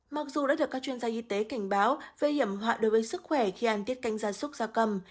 mặc dù đã được các chuyên gia y tế cảnh báo về hiểm họa đối với sức khỏe khi ăn tiết canh gia súc gia cầm